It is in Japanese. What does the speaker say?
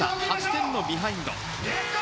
８点のビハインド。